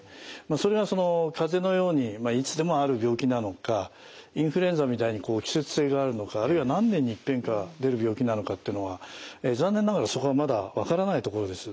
それは風邪のようにいつでもある病気なのかインフルエンザみたいに季節性があるのかあるいは何年にいっぺんか出る病気なのかってのは残念ながらそこはまだ分からないところです。